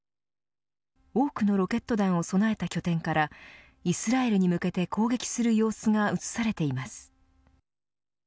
多くのロケット弾を備えた拠点からイスラエルに向けて攻撃する様子が映されています。